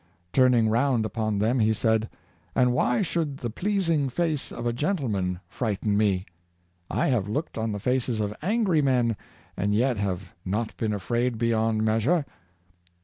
Turning round upon them, he said: "And why should the pleasing face of a gentleman frighten me } I have looked on the faces of angry men, and yet have not been afraid be yond measure."